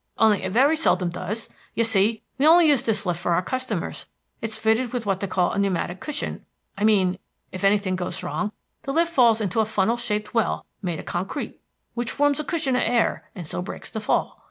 "Only it very seldom does. You see, we only use this lift for our customers. It's fitted with what they call a pneumatic cushion I mean, if anything goes wrong, the lift falls into a funnel shaped well, made of concrete, which forms a cushion of air, and so breaks the fall.